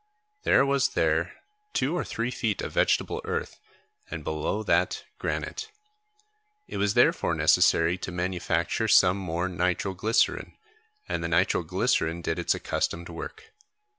There was there two or three feet of vegetable earth, and below that granite. It was therefore necessary to manufacture some more nitro glycerine, and the nitro glycerine did its accustomed work.